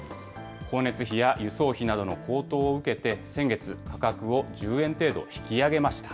光熱費や輸送費などの高騰を受けて、先月、価格を１０円程度引き上げました。